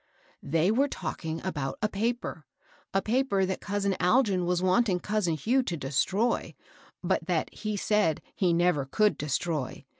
"They were talking about a paper^ — a paper that cousin Algin was wanting cousin Hugh to de stroy ; but that he said he never could destroy.